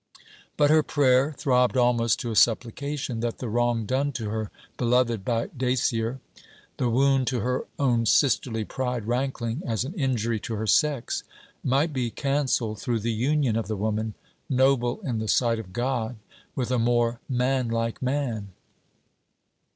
But her prayer throbbed almost to a supplication that the wrong done to her beloved by Dacier the wound to her own sisterly pride rankling as an injury to her sex, might be cancelled through the union of the woman noble in the sight of God with a more manlike man.